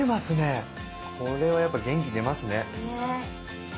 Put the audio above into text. これはやっぱ元気出ますね。